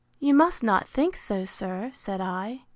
You must not think so, sir, said I.